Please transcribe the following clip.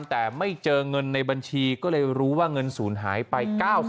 แต่ไม่เจอเงินในบัญชีก็เลยรู้ว่าเงินศูนย์หายไป๙๐๐